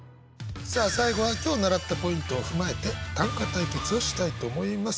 さあ最後は今日習ったポイントを踏まえて短歌対決をしたいと思います。